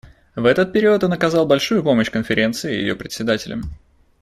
В этот период он оказал большую помощь Конференции и ее председателям.